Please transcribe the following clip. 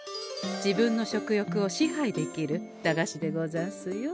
自分の食欲を支配できる駄菓子でござんすよ。